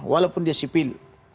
walaupun dia sipil